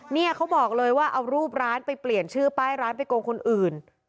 เนี่ยเขาบอกเลยว่าเอารูปร้านไปเปลี่ยนชื่อป้ายร้านไปโกงคนอื่น